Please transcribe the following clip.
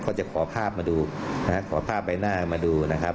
เขาจะขอภาพใบหน้ามาดูนะครับ